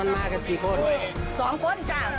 สวัสดีครับ